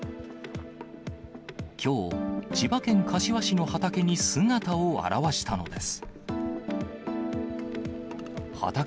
きょう、千葉県柏市の畑に姿を現したのです。